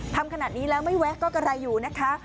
ทำขนาดนี้แล้วไม่แวะก็กะไรอยู่นะคะ